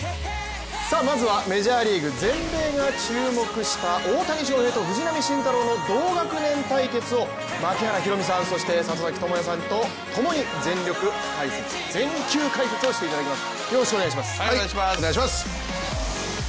まずはメジャーリーグ全米が注目した大谷翔平と藤浪晋太郎の同学年対決を槙原寛己さん、そして里崎智也さんとともに全力解説、全球解説をしていただきます。